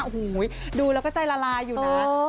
โอ้โหดูแล้วก็ใจละลายอยู่นะ